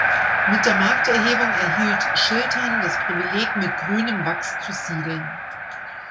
Mit der Markterhebung erhielt Schiltern das Privileg mit grünem Wachs zu Siegeln.